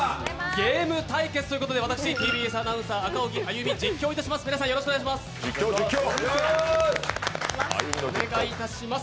ゲーム対決ということで私、ＴＢＳアナウンサー・赤荻歩実況いたします。